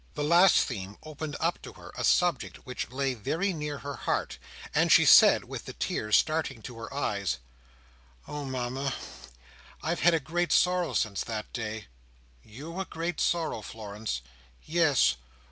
The last theme opened up to her a subject which lay very near her heart, and she said, with the tears starting to her eyes: "Oh, Mama! I have had a great sorrow since that day." "You a great sorrow, Florence!" "Yes.